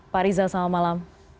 pak riza selamat malam